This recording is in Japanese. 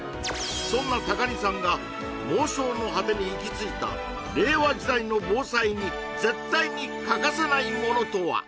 そんな高荷さんが妄想の果てに行きついた令和時代の防災に絶対に欠かせないものとは？